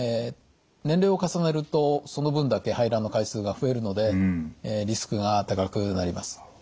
年齢を重ねるとその分だけ排卵の回数が増えるのでリスクが高くなります。